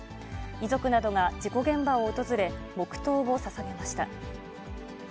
遺族などが事故現場を訪れ、黙とうをささげました。